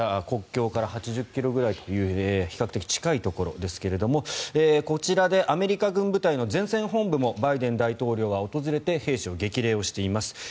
国境から８０ｋｍぐらいという比較的近いところですがこちらでアメリカ軍部隊の前線本部もバイデン大統領は訪れて兵士を激励しています。